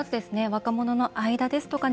若者の間ですとか